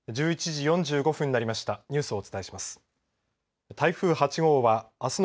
１１時４５分になりましたニュースをお伝えします。